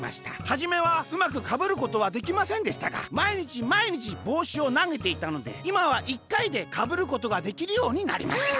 はじめはうまくかぶることはできませんでしたがまいにちまいにちぼうしをなげていたのでいまは１かいでかぶることができるようになりました」。